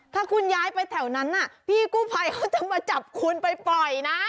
ถ้าคุณย้ายไปแถวนั้นพี่กู้ภัยเขาจะมาจับคุณไปปล่อยนะ